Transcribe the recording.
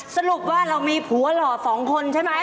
สรุปว่าเรามีผัวหล่อสองคนใช่ไหม